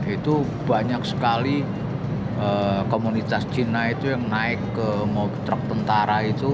itu banyak sekali komunitas cina itu yang naik ke ngontrak tentara itu